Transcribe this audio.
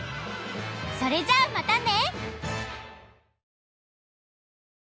それじゃあまたね！